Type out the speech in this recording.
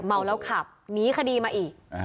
เมาแล้วขับหนีคดีมาอีก